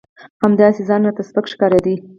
همداسې ځان راته سپک ښکارېده.